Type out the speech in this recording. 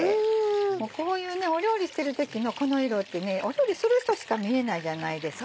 こういう料理してる時のこの色って料理する人しか見えないじゃないですか。